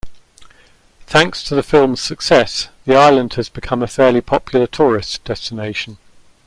Thanks to the film's success, the island has become a fairly popular tourist destination.